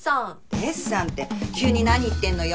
デッサンって急に何言ってんのよ？